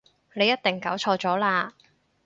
你一定搞錯咗喇